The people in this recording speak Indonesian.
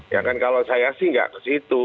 ya kan kalau saya sih nggak ke situ